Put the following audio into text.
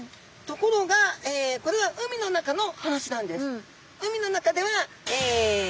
ところがこれは海の中の話なんです。